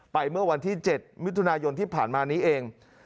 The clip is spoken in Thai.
เมื่อวันที่๗มิถุนายนที่ผ่านมานี้เอง